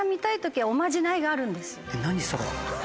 何それ？